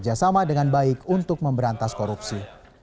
bekerja sama dengan baik untuk memberantas korupsi